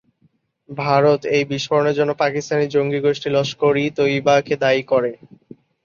ভারত এই বিস্ফোরণের জন্য পাকিস্তানি জঙ্গি গোষ্ঠী লস্কর-ই-তৈবাকে দায়ী করে।